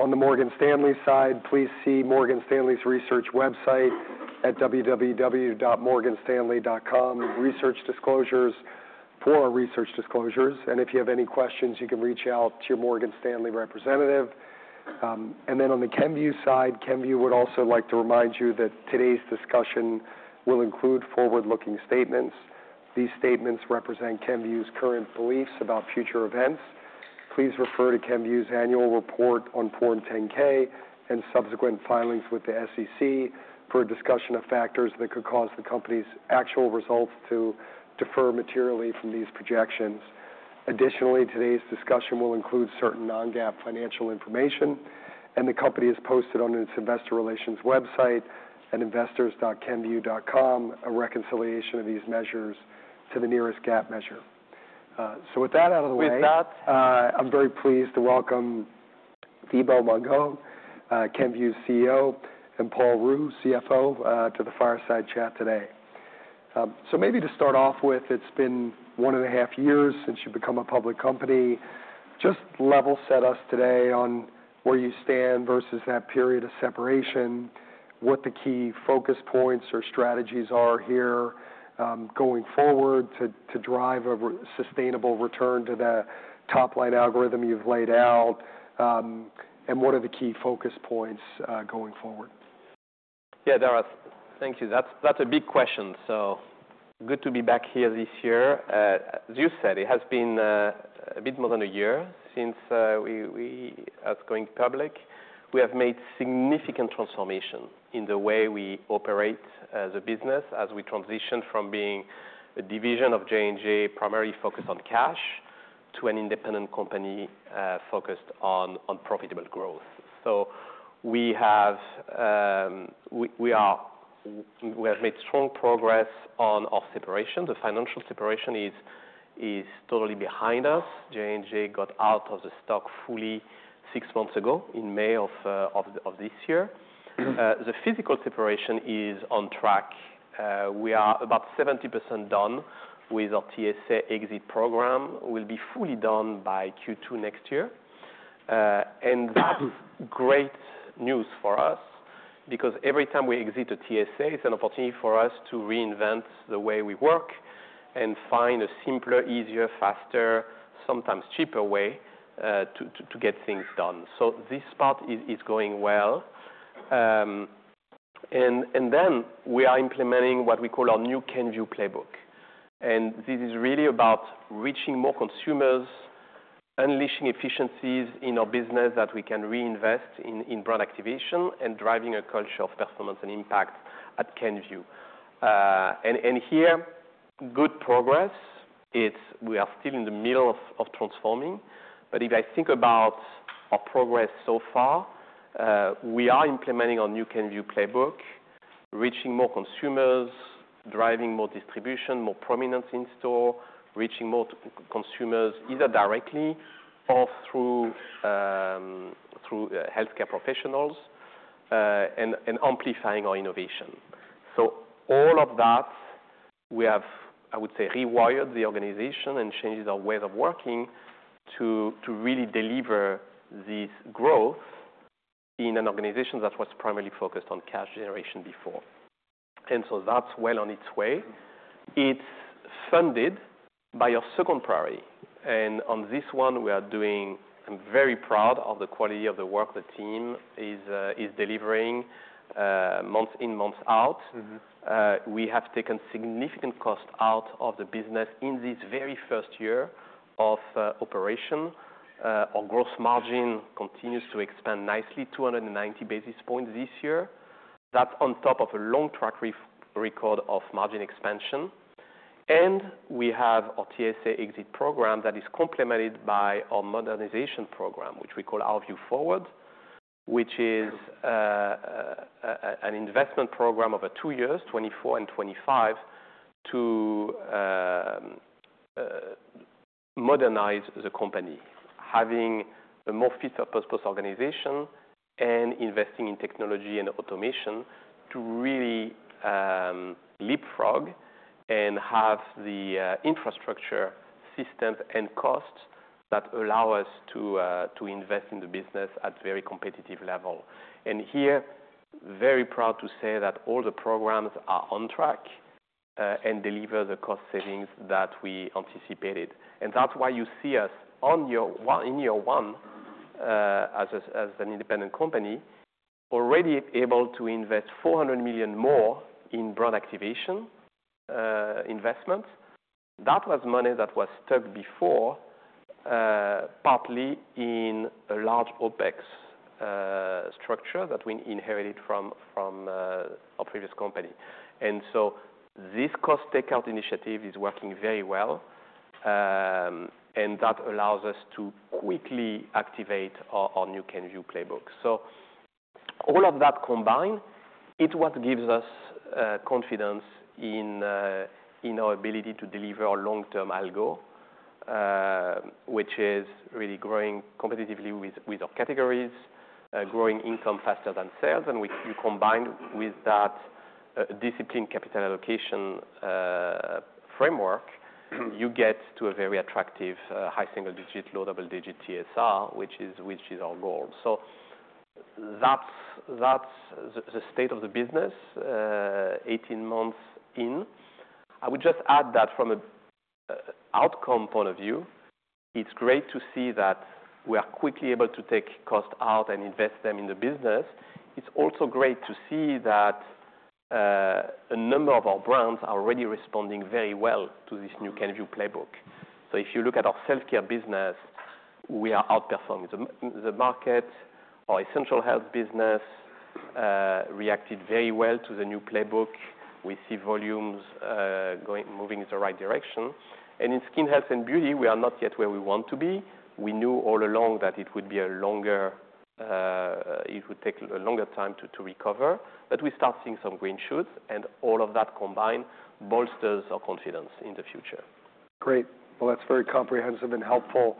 On the Morgan Stanley side, please see Morgan Stanley's research website at www.morganstanley.com, Research Disclosures, for research disclosures. And if you have any questions, you can reach out to your Morgan Stanley representative. And then on the Kenvue side, Kenvue would also like to remind you that today's discussion will include forward-looking statements. These statements represent Kenvue's current beliefs about future events. Please refer to Kenvue's annual report on Form 10-K and subsequent filings with the SEC for a discussion of factors that could cause the company's actual results to differ materially from these projections. Additionally, today's discussion will include certain Non-GAAP financial information, and the company has posted on its investor relations website, at investors.kenvue.com, a reconciliation of these measures to the nearest GAAP measure. So with that out of the way. With that. I'm very pleased to welcome Thibaut Mongon, Kenvue's CEO, and Paul Ruh, CFO, to the fireside chat today. So maybe to start off with, it's been one and a half years since you've become a public company. Just level set us today on where you stand versus that period of separation, what the key focus points or strategies are here going forward to drive a sustainable return to the top-line algorithm you've laid out, and what are the key focus points going forward? Yeah, Dara, thank you. That's a big question, so good to be back here this year. As you said, it has been a bit more than a year since us going public. We have made significant transformation in the way we operate as a business, as we transitioned from being a division of J&J primarily focused on cash to an independent company focused on profitable growth. So we have made strong progress on our separation. The financial separation is totally behind us. J&J got out of the stock fully six months ago in May of this year. The physical separation is on track. We are about 70% done with our TSA exit program. We'll be fully done by Q2 next year. And that's great news for us because every time we exit a TSA, it's an opportunity for us to reinvent the way we work and find a simpler, easier, faster, sometimes cheaper way to get things done. So this part is going well. And then we are implementing what we call our new Kenvue Playbook. And this is really about reaching more consumers, unleashing efficiencies in our business that we can reinvest in brand activation, and driving a culture of performance and impact at Kenvue. And here, good progress. We are still in the middle of transforming. But if I think about our progress so far, we are implementing our new Kenvue Playbook, reaching more consumers, driving more distribution, more prominence in store, reaching more consumers either directly or through healthcare professionals, and amplifying our innovation. All of that, we have, I would say, rewired the organization and changed our way of working to really deliver this growth in an organization that was primarily focused on cash generation before. And so that's well on its way. It's funded by our second priority. And on this one, we are doing, I'm very proud of the quality of the work the team is delivering month in, month out. We have taken significant cost out of the business in this very first year of operation. Our gross margin continues to expand nicely, 290 basis points this year. That's on top of a long track record of margin expansion. And we have our TSA exit program that is complemented by our modernization program, which we call Our Vue Forward, which is an investment program of two years, 2024 and 2025, to modernize the company, having a more fit for purpose organization and investing in technology and automation to really leapfrog and have the infrastructure systems and costs that allow us to invest in the business at a very competitive level. And here, very proud to say that all the programs are on track and deliver the cost savings that we anticipated. And that's why you see us in year one as an independent company already able to invest $400 million more in brand activation investments. That was money that was stuck before, partly in a large OPEX structure that we inherited from our previous company. And so this cost takeout initiative is working very well. That allows us to quickly activate our new Kenvue Playbook. All of that combined, it gives us confidence in our ability to deliver a long-term algo, which is really growing competitively with our categories, growing income faster than sales. You combine with that disciplined capital allocation framework, you get to a very attractive high single-digit, low double-digit TSR, which is our goal. That's the state of the business 18 months in. I would just add that from an outcome point of view, it's great to see that we are quickly able to take cost out and invest them in the business. It's also great to see that a number of our brands are already responding very well to this new Kenvue Playbook. If you look at our Self Care business, we are outperforming the market. Our Essential Health business reacted very well to the new Playbook. We see volumes moving in the right direction. And in Skin Health and Beauty, we are not yet where we want to be. We knew all along that it would take a longer time to recover. But we start seeing some green shoots. And all of that combined bolsters our confidence in the future. Great. Well, that's very comprehensive and helpful.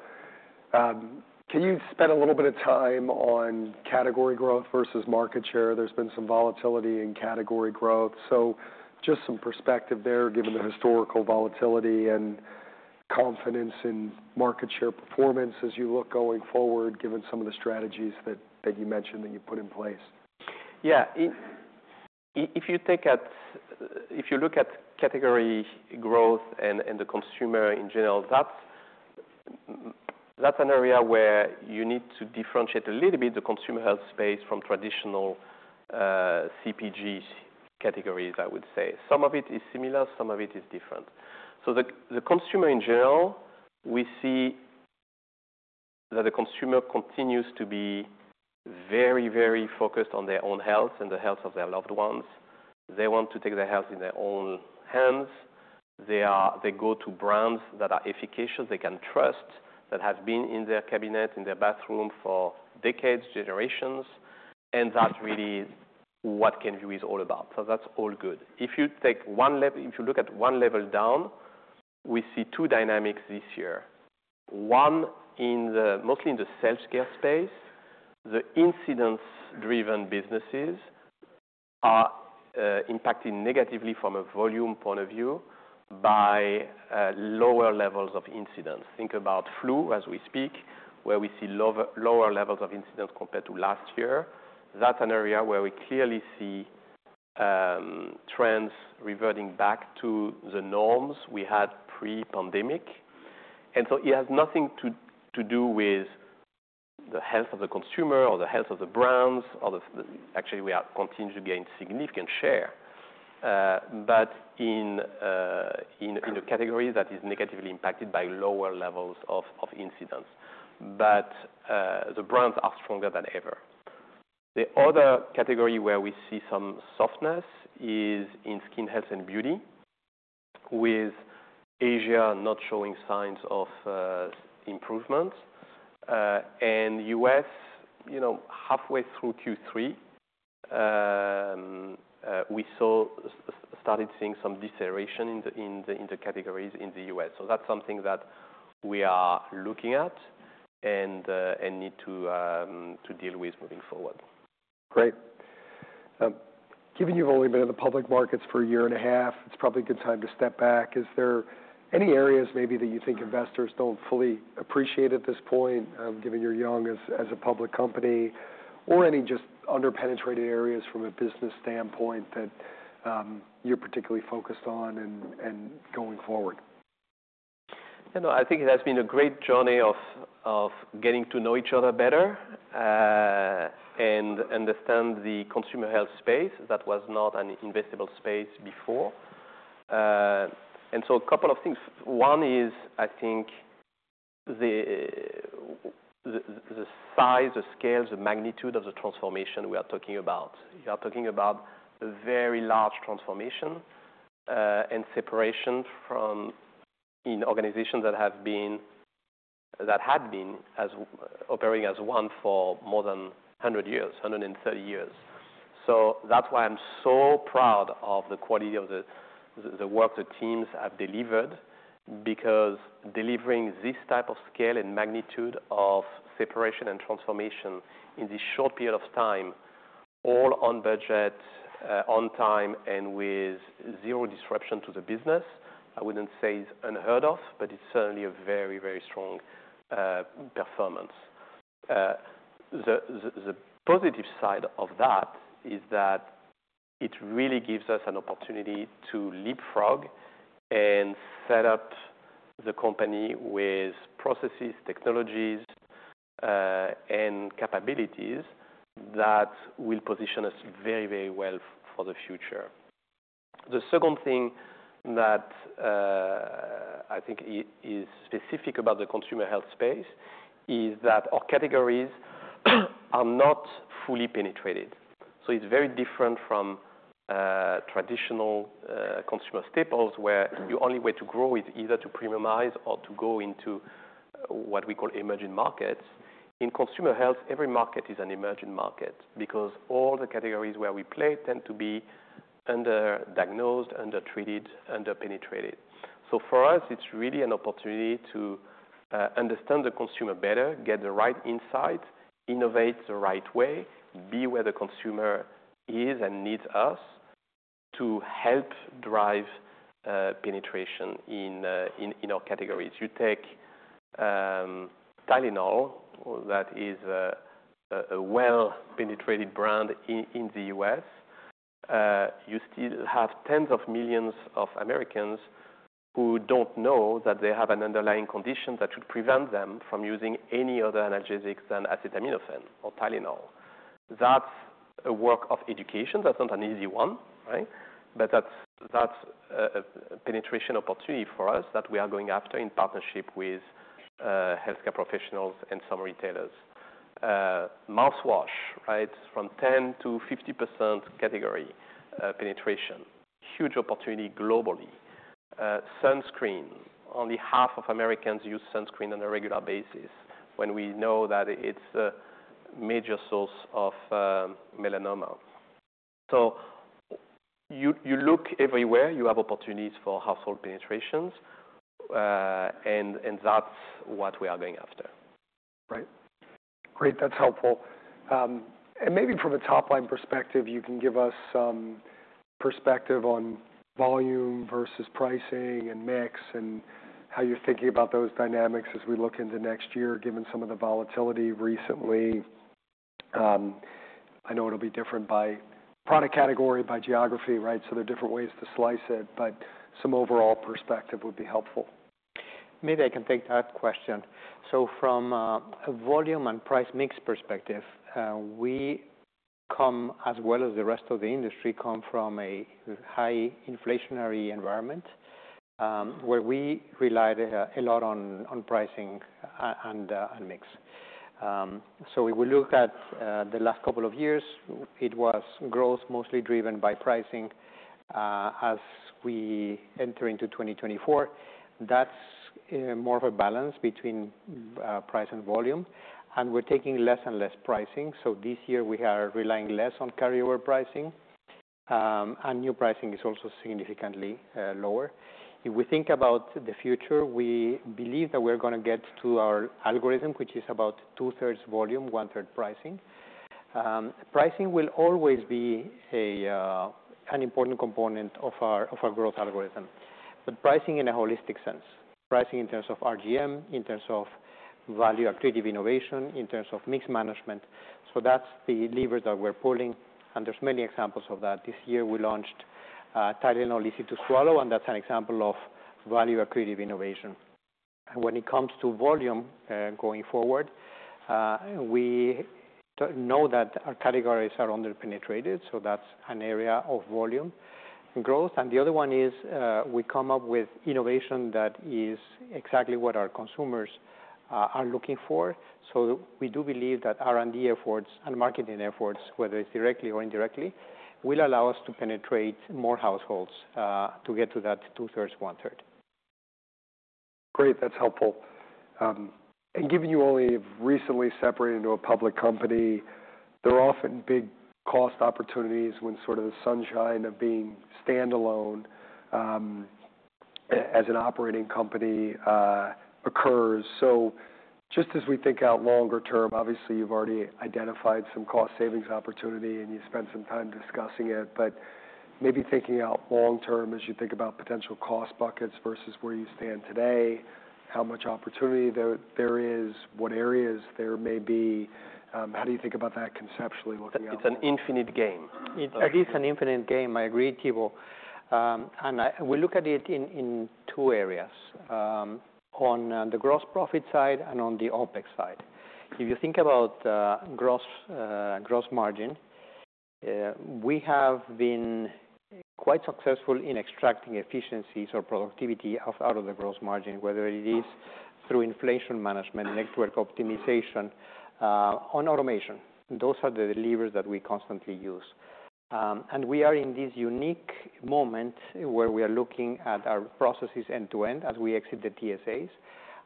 Can you spend a little bit of time on category growth versus market share? There's been some volatility in category growth. So just some perspective there, given the historical volatility and confidence in market share performance as you look going forward, given some of the strategies that you mentioned that you put in place. Yeah. If you look at category growth and the consumer in general, that's an area where you need to differentiate a little bit the consumer health space from traditional CPG categories, I would say. Some of it is similar. Some of it is different. So the consumer in general, we see that the consumer continues to be very, very focused on their own health and the health of their loved ones. They want to take their health in their own hands. They go to brands that are efficacious, they can trust, that have been in their cabinet, in their bathroom for decades, generations. And that's really what Kenvue is all about. So that's all good. If you take one level—if you look at one level down, we see two dynamics this year. One, mostly in the Self Care space, the incidence-driven businesses are impacted negatively from a volume point of view by lower levels of incidence. Think about flu as we speak, where we see lower levels of incidence compared to last year. That's an area where we clearly see trends reverting back to the norms we had pre-pandemic, and so it has nothing to do with the health of the consumer or the health of the brands. Actually, we continue to gain significant share, but in a category that is negatively impacted by lower levels of incidence. But the brands are stronger than ever. The other category where we see some softness is in Skin Health and Beauty, with Asia not showing signs of improvement, and U.S., halfway through Q3, we started seeing some deceleration in the categories in the U.S. So that's something that we are looking at and need to deal with moving forward. Great. Given you've only been in the public markets for a year and a half, it's probably a good time to step back. Is there any areas maybe that you think investors don't fully appreciate at this point, given you're young as a public company, or any just under-penetrated areas from a business standpoint that you're particularly focused on going forward? I think it has been a great journey of getting to know each other better and understand the consumer health space. That was not an investable space before. And so a couple of things. One is, I think, the size, the scale, the magnitude of the transformation we are talking about. You are talking about a very large transformation and separation from organizations that had been operating as one for more than 100 years, 130 years. So that's why I'm so proud of the quality of the work the teams have delivered, because delivering this type of scale and magnitude of separation and transformation in this short period of time, all on budget, on time, and with zero disruption to the business, I wouldn't say is unheard of, but it's certainly a very, very strong performance. The positive side of that is that it really gives us an opportunity to leapfrog and set up the company with processes, technologies, and capabilities that will position us very, very well for the future. The second thing that I think is specific about the consumer health space is that our categories are not fully penetrated. So it's very different from traditional consumer staples, where your only way to grow is either to premiumize or to go into what we call emerging markets. In consumer health, every market is an emerging market because all the categories where we play tend to be underdiagnosed, undertreated, underpenetrated. So for us, it's really an opportunity to understand the consumer better, get the right insights, innovate the right way, be where the consumer is and needs us to help drive penetration in our categories. You take Tylenol, that is a well-penetrated brand in the U.S. You still have tens of millions of Americans who don't know that they have an underlying condition that should prevent them from using any other analgesics than acetaminophen or Tylenol. That's a work of education. That's not an easy one, right? But that's a penetration opportunity for us that we are going after in partnership with healthcare professionals and some retailers. Mouthwash, right, from 10%-50% category penetration. Huge opportunity globally. Sunscreen. Only half of Americans use sunscreen on a regular basis, when we know that it's a major source of melanoma. So you look everywhere. You have opportunities for household penetrations. And that's what we are going after. Right. Great. That's helpful. And maybe from a top-line perspective, you can give us some perspective on volume versus pricing and mix and how you're thinking about those dynamics as we look into next year, given some of the volatility recently. I know it'll be different by product category, by geography, right? So there are different ways to slice it. But some overall perspective would be helpful. Maybe I can take that question. So from a volume and price mix perspective, we, as well as the rest of the industry, come from a high inflationary environment where we relied a lot on pricing and mix. So if we look at the last couple of years, it was growth mostly driven by pricing. As we enter into 2024, that's more of a balance between price and volume. And we're taking less and less pricing. So this year, we are relying less on carryover pricing. And new pricing is also significantly lower. If we think about the future, we believe that we're going to get to our algorithm, which is about two-thirds volume, one-third pricing. Pricing will always be an important component of our growth algorithm, but pricing in a holistic sense. Pricing in terms of RGM, in terms of value-added innovation, in terms of mix management. So that's the levers that we're pulling. And there's many examples of that. This year, we launched Tylenol Easy to Swallow, and that's an example of value-attributive innovation. When it comes to volume going forward, we know that our categories are under-penetrated. So that's an area of volume growth. And the other one is we come up with innovation that is exactly what our consumers are looking for. So we do believe that R&D efforts and marketing efforts, whether it's directly or indirectly, will allow us to penetrate more households to get to that two-thirds, one-third. Great. That's helpful. And given you only have recently separated into a public company, there are often big cost opportunities when sort of the sunshine of being standalone as an operating company occurs. So just as we think out longer term, obviously, you've already identified some cost savings opportunity, and you spent some time discussing it. But maybe thinking out long-term as you think about potential cost buckets versus where you stand today, how much opportunity there is, what areas there may be, how do you think about that conceptually looking out? It's an infinite game. It is an infinite game, I agree, Thibaut, and we look at it in two areas: on the gross profit side and on the OPEX side. If you think about gross margin, we have been quite successful in extracting efficiencies or productivity out of the gross margin, whether it is through inflation management, network optimization, on automation. Those are the levers that we constantly use, and we are in this unique moment where we are looking at our processes end-to-end as we exit the TSAs,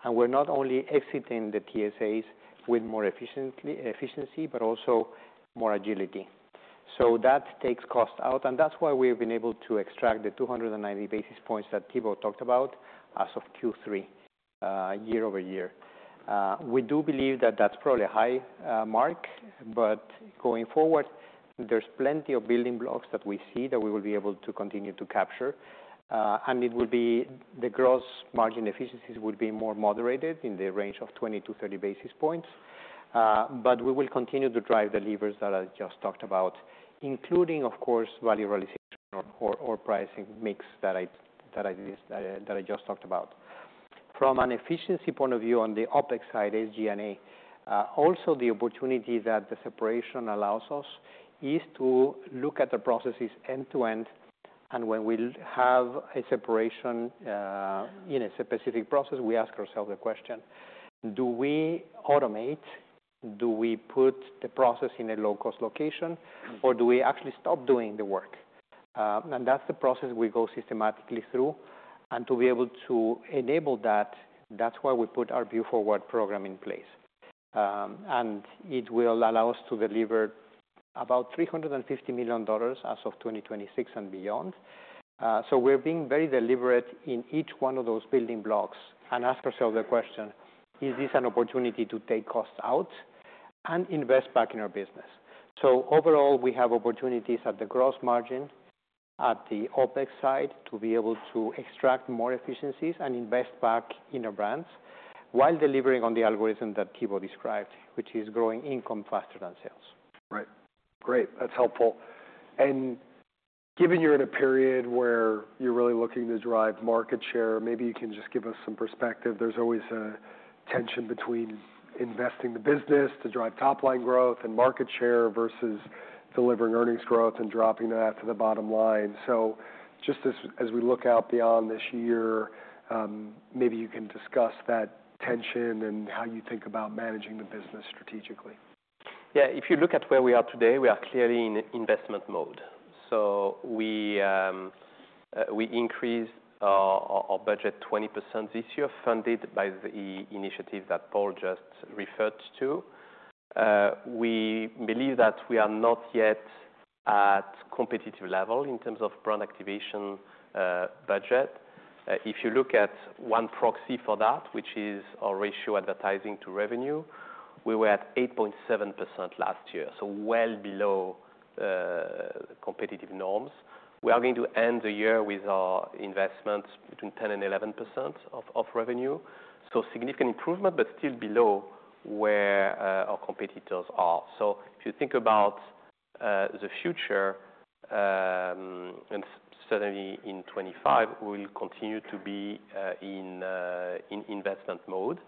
and we're not only exiting the TSAs with more efficiency, but also more agility. So that takes cost out, and that's why we have been able to extract the 290 basis points that Thibaut talked about as of Q3, year over year. We do believe that that's probably a high mark. But going forward, there's plenty of building blocks that we see that we will be able to continue to capture. And the gross margin efficiencies will be more moderated in the range of 20-30 basis points. But we will continue to drive the levers that I just talked about, including, of course, value realization or pricing mix that I just talked about. From an efficiency point of view on the OPEX side, SG&A, also the opportunity that the separation allows us is to look at the processes end-to-end. And when we have a separation in a specific process, we ask ourselves the question, do we automate? Do we put the process in a low-cost location? Or do we actually stop doing the work? And that's the process we go systematically through. And to be able to enable that, that's why we put Our Vue Forward program in place. It will allow us to deliver about $350 million as of 2026 and beyond. We're being very deliberate in each one of those building blocks and ask ourselves the question, is this an opportunity to take cost out and invest back in our business? Overall, we have opportunities at the gross margin, at the OPEX side, to be able to extract more efficiencies and invest back in our brands while delivering on the algorithm that Thibaut described, which is growing income faster than sales. Right. Great. That's helpful, and given you're in a period where you're really looking to drive market share, maybe you can just give us some perspective. There's always a tension between investing the business to drive top-line growth and market share versus delivering earnings growth and dropping that to the bottom line, so just as we look out beyond this year, maybe you can discuss that tension and how you think about managing the business strategically. Yeah. If you look at where we are today, we are clearly in investment mode. So we increased our budget 20% this year, funded by the initiative that Paul just referred to. We believe that we are not yet at competitive level in terms of brand activation budget. If you look at one proxy for that, which is our ratio advertising to revenue, we were at 8.7% last year, so well below competitive norms. We are going to end the year with our investments between 10%-11% of revenue. So significant improvement, but still below where our competitors are. So if you think about the future, and certainly in 2025, we'll continue to be in investment mode,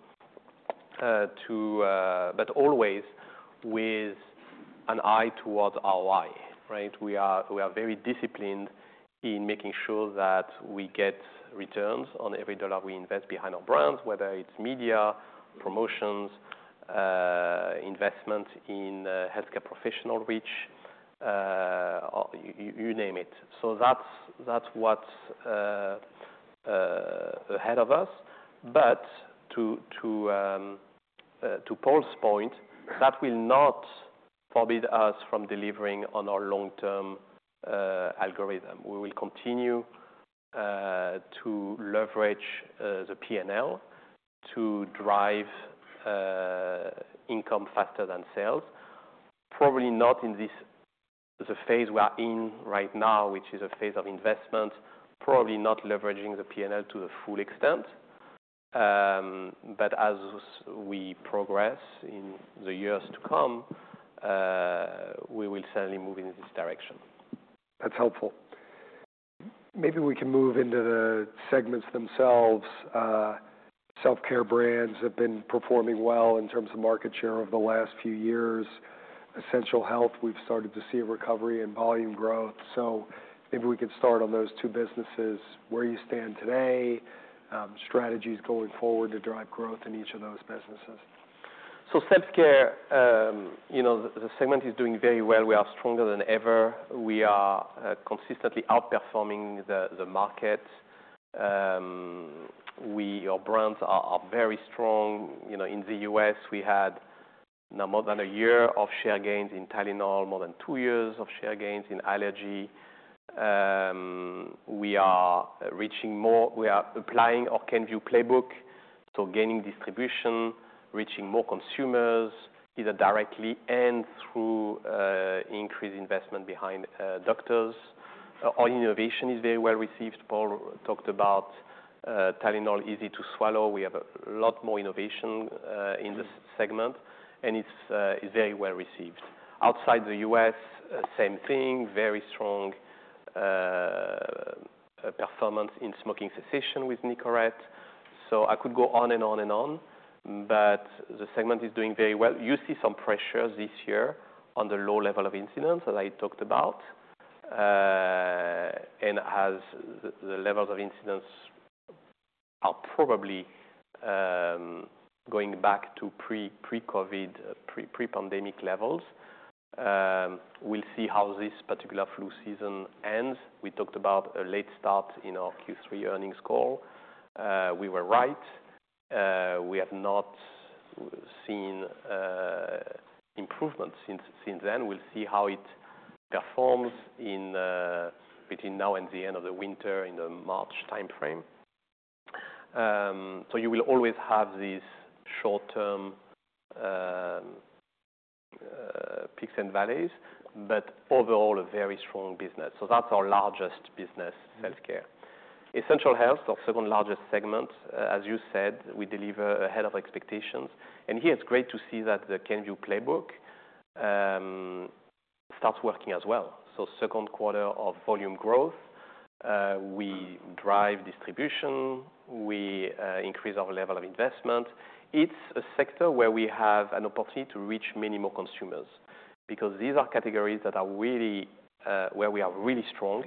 but always with an eye towards ROI, right? We are very disciplined in making sure that we get returns on every dollar we invest behind our brands, whether it's media, promotions, investment in healthcare professional reach, you name it. So that's what's ahead of us. But to Paul's point, that will not forbid us from delivering on our long-term algorithm. We will continue to leverage the P&L to drive income faster than sales. Probably not in the phase we are in right now, which is a phase of investment, probably not leveraging the P&L to the full extent. But as we progress in the years to come, we will certainly move in this direction. That's helpful. Maybe we can move into the segments themselves. Self Care brands have been performing well in terms of market share over the last few years. Essential Health, we've started to see a recovery in volume growth, so maybe we could start on those two businesses. Where you stand today, strategies going forward to drive growth in each of those businesses. Self Care, the segment is doing very well. We are stronger than ever. We are consistently outperforming the market. Our brands are very strong. In the U.S., we had now more than a year of share gains in Tylenol, more than two years of share gains in allergy. We are reaching more. We are applying our Kenvue Playbook, so gaining distribution, reaching more consumers, either directly and through increased investment behind doctors. Our innovation is very well received. Paul talked about Tylenol Easy to Swallow. We have a lot more innovation in this segment, and it's very well received. Outside the U.S., same thing, very strong performance in smoking cessation with Nicorette. So I could go on and on and on, but the segment is doing very well. You see some pressures this year on the low level of incidence, as I talked about. As the levels of incidence are probably going back to pre-COVID, pre-pandemic levels, we'll see how this particular flu season ends. We talked about a late start in our Q3 earnings score. We were right. We have not seen improvements since then. We'll see how it performs between now and the end of the winter in the March timeframe. You will always have these short-term peaks and valleys, but overall, a very strong business. That's our largest business, Self Care. Essential Health, our second largest segment. As you said, we deliver ahead of expectations. Here, it's great to see that the Kenvue Playbook starts working as well. Second quarter of volume growth, we drive distribution. We increase our level of investment. It's a sector where we have an opportunity to reach many more consumers because these are categories that are really where we are really strong.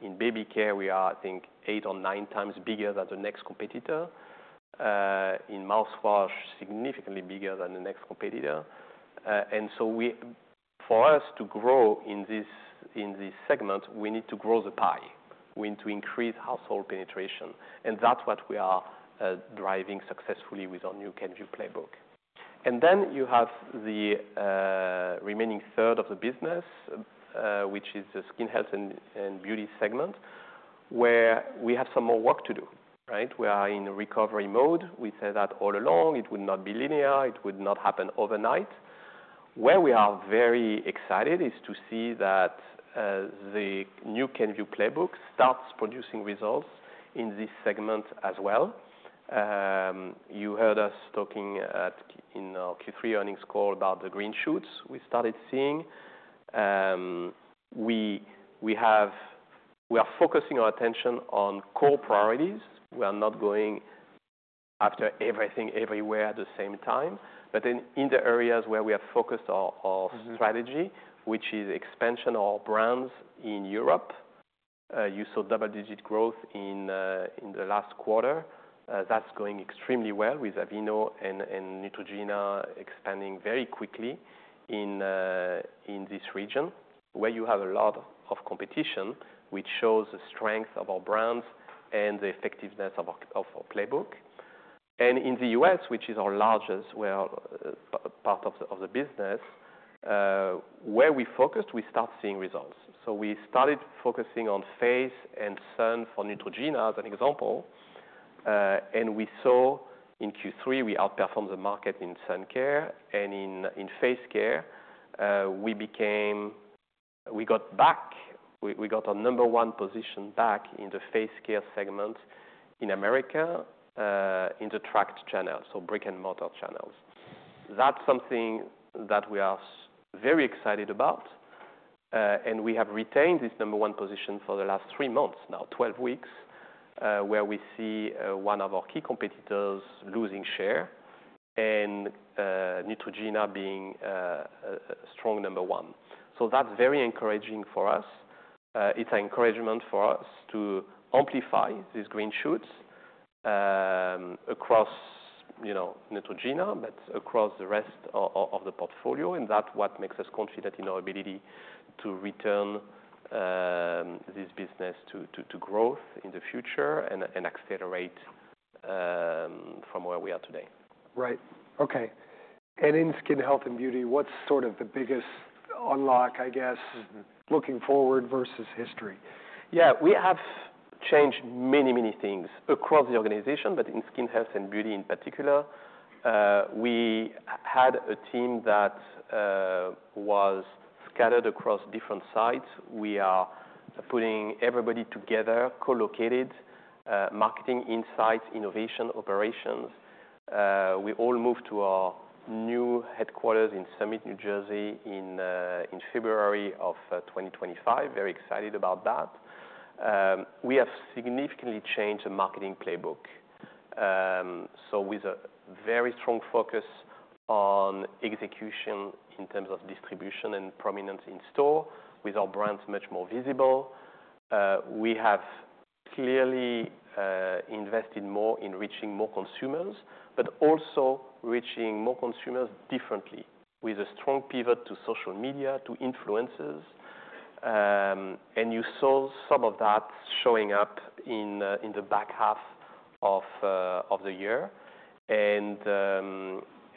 In baby care, we are, I think, eight or nine times bigger than the next competitor. In mouthwash, significantly bigger than the next competitor. So for us to grow in this segment, we need to grow the pie. We need to increase household penetration. That's what we are driving successfully with our new Kenvue Playbook. Then you have the remaining third of the business, which is the Skin Health and Beauty segment, where we have some more work to do, right? We are in recovery mode. We said that all along. It would not be linear. It would not happen overnight. Where we are very excited is to see that the new Kenvue Playbook starts producing results in this segment as well. You heard us talking in our Q3 earnings call about the green shoots we started seeing. We are focusing our attention on core priorities. We are not going after everything everywhere at the same time, but in the areas where we have focused our strategy, which is expansion of our brands in Europe, you saw double-digit growth in the last quarter. That's going extremely well with Aveeno and Neutrogena expanding very quickly in this region, where you have a lot of competition, which shows the strength of our brands and the effectiveness of our playbook, and in the US, which is our largest part of the business, where we focused, we start seeing results, so we started focusing on face and sun for Neutrogena as an example, and we saw in Q3 we outperformed the market in sun care, and in face care, we got back, we got our number one position back in the face care segment in America in the tracked channels, so brick-and-mortar channels. That's something that we are very excited about. And we have retained this number one position for the last three months now, 12 weeks, where we see one of our key competitors losing share and Neutrogena being a strong number one. So that's very encouraging for us. It's an encouragement for us to amplify these green shoots across Neutrogena, but across the rest of the portfolio. And that's what makes us confident in our ability to return this business to growth in the future and accelerate from where we are today. Right. Okay, and in Skin Health and Beauty, what's sort of the biggest unlock, I guess, looking forward versus history? Yeah. We have changed many, many things across the organization, but in Skin Health and Beauty in particular, we had a team that was scattered across different sites. We are putting everybody together, co-located, marketing insights, innovation, operations. We all moved to our new headquarters in Summit, New Jersey, in February of 2025. Very excited about that. We have significantly changed the marketing playbook. So with a very strong focus on execution in terms of distribution and prominence in store, with our brands much more visible, we have clearly invested more in reaching more consumers, but also reaching more consumers differently with a strong pivot to social media, to influencers. And you saw some of that showing up in the back half of the year.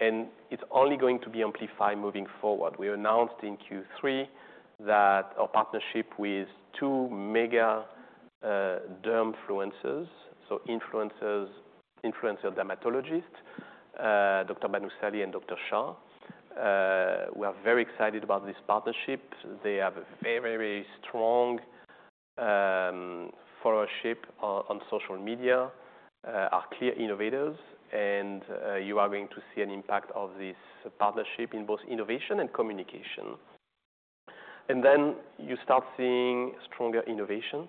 And it's only going to be amplified moving forward. We announced in Q3 that our partnership with two mega derm influencers, so influencer dermatologists, Dr. Bhanusali and Dr. Shah. We are very excited about this partnership. They have a very, very strong followership on social media, are clear innovators. And you are going to see an impact of this partnership in both innovation and communication. And then you start seeing stronger innovation.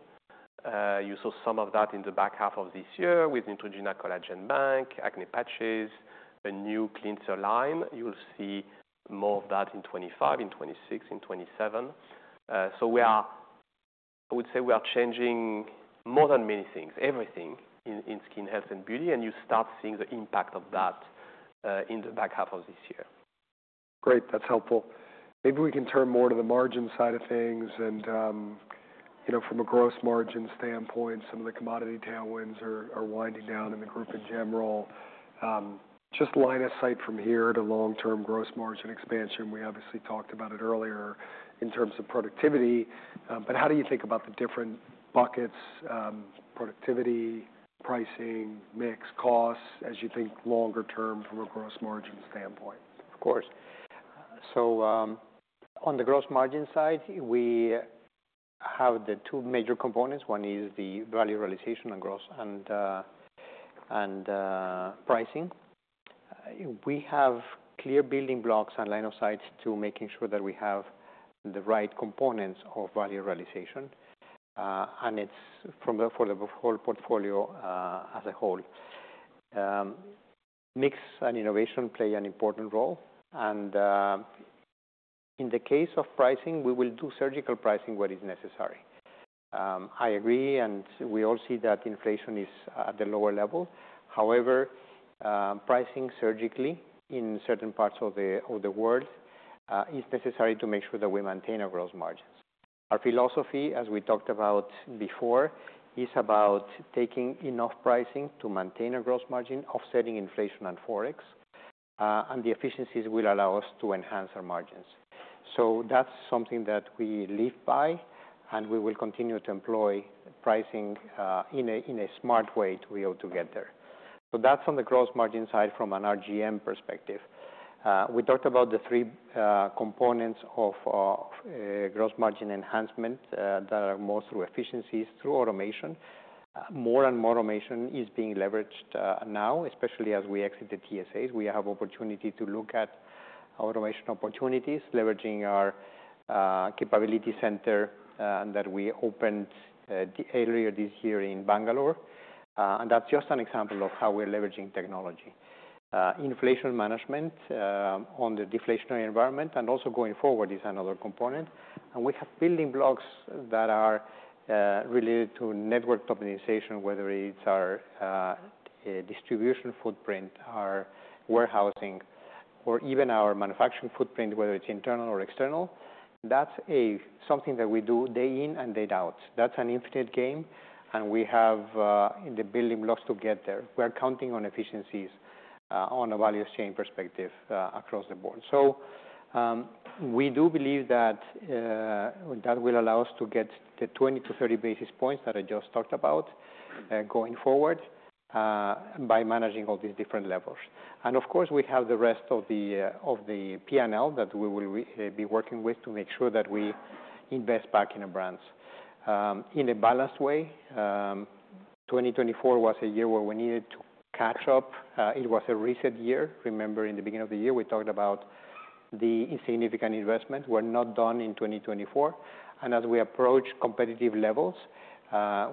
You saw some of that in the back half of this year with Neutrogena Collagen Bank, acne patches, a new cleanser line. You will see more of that in 2025, in 2026, in 2027. So I would say we are changing more than many things, everything in Skin Health and Beauty. And you start seeing the impact of that in the back half of this year. Great. That's helpful. Maybe we can turn more to the margin side of things. And from a gross margin standpoint, some of the commodity tailwinds are winding down in the group in general. Just line of sight from here to long-term gross margin expansion. We obviously talked about it earlier in terms of productivity. But how do you think about the different buckets, productivity, pricing, mix, costs, as you think longer term from a gross margin standpoint? Of course, so on the gross margin side, we have the two major components. One is the value realization and pricing. We have clear building blocks and line of sight to making sure that we have the right components of value realization, and it's for the whole portfolio as a whole. Mix and innovation play an important role, and in the case of pricing, we will do surgical pricing where it's necessary. I agree, and we all see that inflation is at the lower level. However, pricing surgically in certain parts of the world is necessary to make sure that we maintain our gross margins. Our philosophy, as we talked about before, is about taking enough pricing to maintain a gross margin, offsetting inflation and forex, and the efficiencies will allow us to enhance our margins, so that's something that we live by. And we will continue to employ pricing in a smart way to be able to get there. So that's on the gross margin side from an RGM perspective. We talked about the three components of gross margin enhancement that are more through efficiencies, through automation. More and more automation is being leveraged now, especially as we exit the TSAs. We have opportunity to look at automation opportunities, leveraging our capability center that we opened earlier this year in Bangalore. And that's just an example of how we're leveraging technology. Inflation management on the deflationary environment and also going forward is another component. And we have building blocks that are related to network optimization, whether it's our distribution footprint, our warehousing, or even our manufacturing footprint, whether it's internal or external. That's something that we do day in and day out. That's an infinite game. And we have the building blocks to get there. We are counting on efficiencies on a value chain perspective across the board. So we do believe that that will allow us to get the 20-30 basis points that I just talked about going forward by managing all these different levels. And of course, we have the rest of the P&L that we will be working with to make sure that we invest back in our brands in a balanced way. 2024 was a year where we needed to catch up. It was a reset year. Remember, in the beginning of the year, we talked about the insignificant investment. We're not done in 2024. And as we approach competitive levels,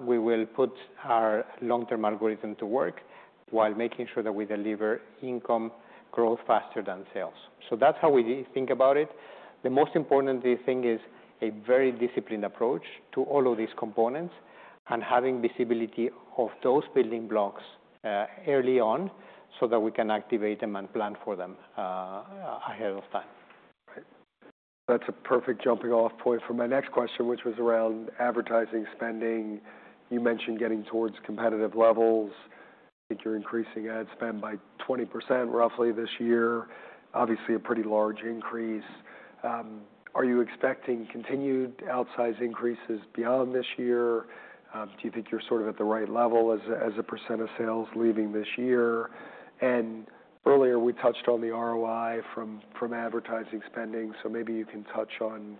we will put our long-term algorithm to work while making sure that we deliver income growth faster than sales. So that's how we think about it. The most important thing is a very disciplined approach to all of these components and having visibility of those building blocks early on so that we can activate them and plan for them ahead of time. Right. That's a perfect jumping-off point for my next question, which was around advertising spending. You mentioned getting towards competitive levels. I think you're increasing ad spend by 20% roughly this year. Obviously, a pretty large increase. Are you expecting continued outsize increases beyond this year? Do you think you're sort of at the right level as a percent of sales leaving this year? And earlier, we touched on the ROI from advertising spending. So maybe you can touch on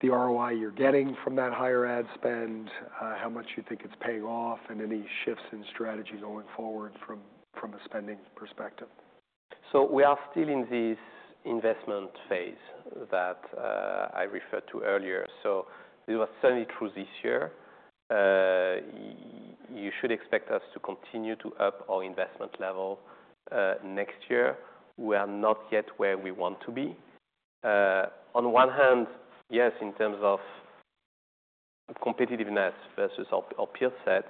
the ROI you're getting from that higher ad spend, how much you think it's paying off, and any shifts in strategy going forward from a spending perspective. So we are still in this investment phase that I referred to earlier. So this was certainly true this year. You should expect us to continue to up our investment level next year. We are not yet where we want to be. On one hand, yes, in terms of competitiveness versus our peer sets.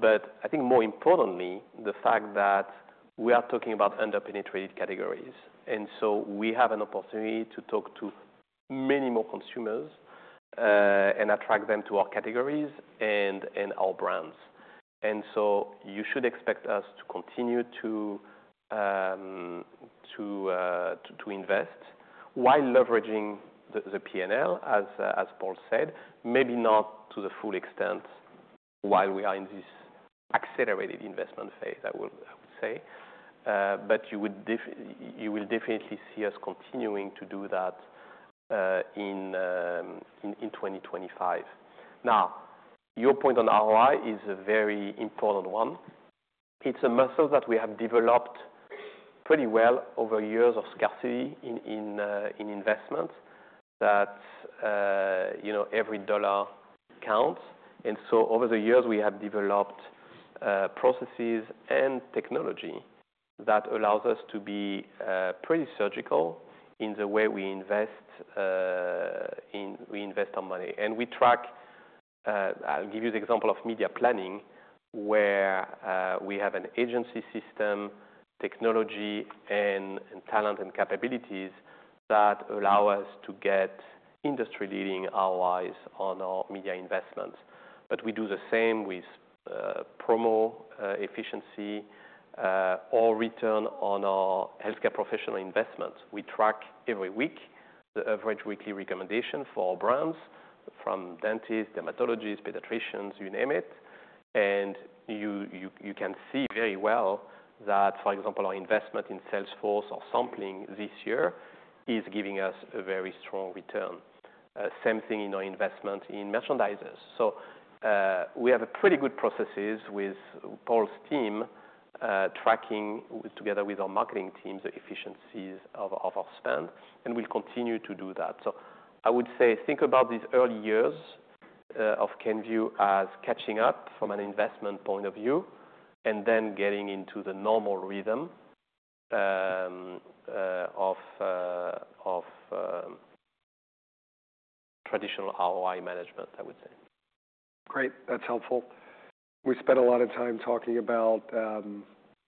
But I think more importantly, the fact that we are talking about under-penetrated categories. And so we have an opportunity to talk to many more consumers and attract them to our categories and our brands. And so you should expect us to continue to invest while leveraging the P&L, as Paul said, maybe not to the full extent while we are in this accelerated investment phase, I would say. But you will definitely see us continuing to do that in 2025. Now, your point on ROI is a very important one. It's a method that we have developed pretty well over years of scarcity in investments that every dollar counts, and so over the years, we have developed processes and technology that allows us to be pretty surgical in the way we invest our money, and we track. I'll give you the example of media planning, where we have an agency system, technology, and talent and capabilities that allow us to get industry-leading ROIs on our media investments, but we do the same with promo efficiency or return on our healthcare professional investments. We track every week the average weekly recommendation for our brands from dentists, dermatologists, pediatricians, you name it, and you can see very well that, for example, our investment in sales force or sampling this year is giving us a very strong return. Same thing in our investment in merchandisers. So, we have pretty good processes with Paul's team tracking, together with our marketing teams, the efficiencies of our spend. And we'll continue to do that. So, I would say, think about these early years of Kenvue as catching up from an investment point of view and then getting into the normal rhythm of traditional ROI management, I would say. Great. That's helpful. We spent a lot of time talking about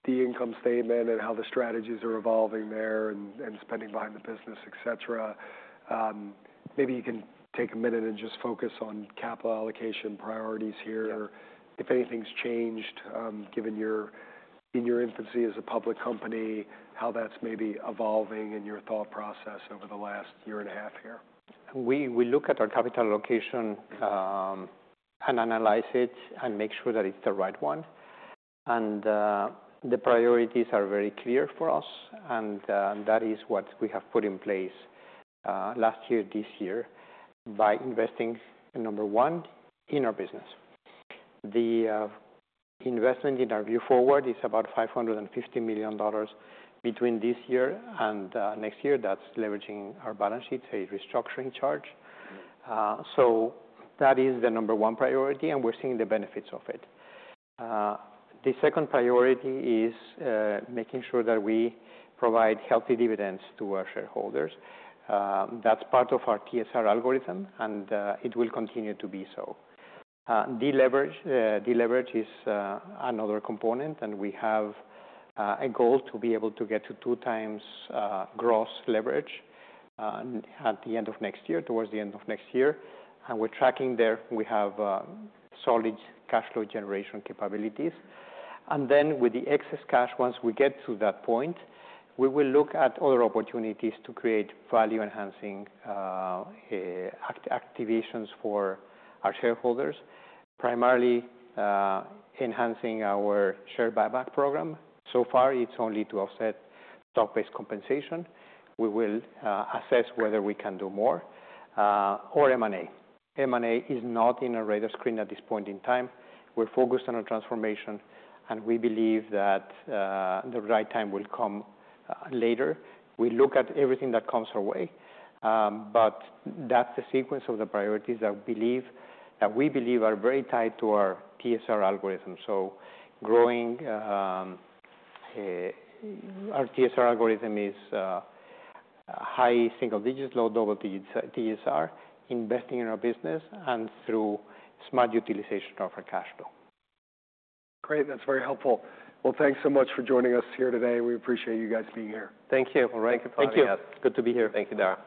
the income statement and how the strategies are evolving there and spending behind the business, etc. Maybe you can take a minute and just focus on capital allocation priorities here. If anything's changed in your infancy as a public company, how that's maybe evolving in your thought process over the last year and a half here? We look at our capital allocation and analyze it and make sure that it's the right one, and the priorities are very clear for us, and that is what we have put in place last year, this year by investing, number one, in our business. The investment in Our Vue Forward is about $550 million between this year and next year. That's leveraging our balance sheet, a restructuring charge, so that is the number one priority, and we're seeing the benefits of it. The second priority is making sure that we provide healthy dividends to our shareholders. That's part of our TSR algorithm, and it will continue to be so. Deleverage is another component, and we have a goal to be able to get to two times gross leverage at the end of next year, towards the end of next year, and we're tracking there. We have solid cash flow generation capabilities, and then with the excess cash, once we get to that point, we will look at other opportunities to create value-enhancing activations for our shareholders, primarily enhancing our share buyback program. So far, it's only to offset stock-based compensation. We will assess whether we can do more or M&A. M&A is not on the radar screen at this point in time. We're focused on our transformation, and we believe that the right time will come later. We look at everything that comes our way, but that's the sequence of the priorities that we believe are very tied to our TSR algorithm, so growing our TSR algorithm is high single digits, low double digit TSR, investing in our business, and through smart utilization of our cash flow. Great. That's very helpful. Thanks so much for joining us here today. We appreciate you guys being here. Thank you. All right. Thank you, Paul Ruh. Thank you. Good to be here. Thank you, Dara.